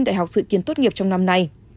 đại học dự kiến tốt nghiệp trong năm nay